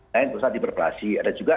lain berusaha diperplasi ada juga